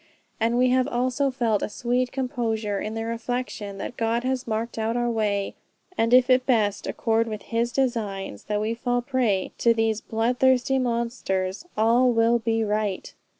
And we have also felt a sweet composure in the reflection that God has marked out our way; and if it best accord with his designs that we fall a prey to these blood thirsty monsters, all will be right."